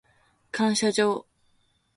感謝状